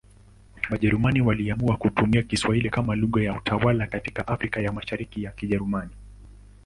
Wajerumani waliamua kutumia Kiswahili kama lugha ya utawala katika Afrika ya Mashariki ya Kijerumani.